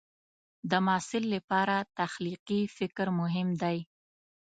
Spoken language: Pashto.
د محصل لپاره تخلیقي فکر مهم دی.